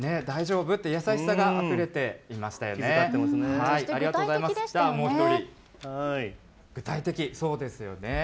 大丈夫って、優しさがあふれていましたよね。